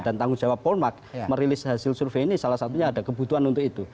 tanggung jawab polmark merilis hasil survei ini salah satunya ada kebutuhan untuk itu